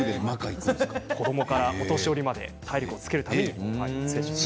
子どもから、お年寄りまで体力をつけるために摂取しています。